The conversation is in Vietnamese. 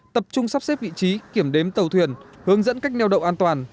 tập trung sắp xếp vị trí kiểm đếm tàu thuyền hướng dẫn cách neo đậu an toàn